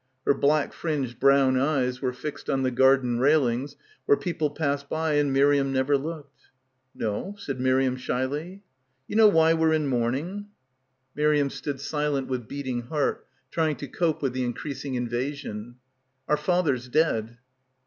Her black fringed brown eyes were fixed on the garden railings where people passed by and Miriam never looked. "No," said Miriam shyly. "You know why we're in mourning?" — 122 — BACKWATER Miriam stood silent with beating heart, trying to cope with the increasing invasion. "Our father's dead."